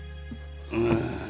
うん。